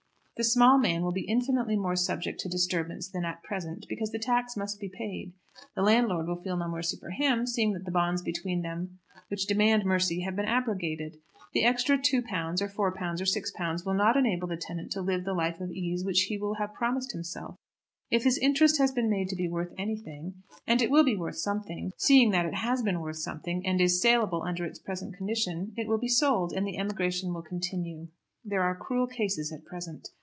The small man will be infinitely more subject to disturbance than at present, because the tax must be paid. The landlord will feel no mercy for him, seeing that the bonds between them which demanded mercy have been abrogated. The extra £2 or £4 or £6 will not enable the tenant to live the life of ease which he will have promised himself. If his interest has been made to be worth anything, and it will be worth something, seeing that it has been worth something, and is saleable under its present condition, it will be sold, and the emigration will continue. There are cruel cases at present.